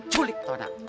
culik tau tak